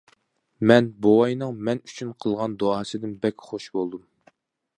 مەن بوۋاينىڭ مەن ئۈچۈن قىلغان دۇئاسىدىن بەك خۇش بولدۇم.